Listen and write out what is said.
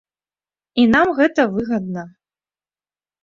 І нам гэта выгадна.